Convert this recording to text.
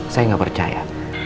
saya gak percaya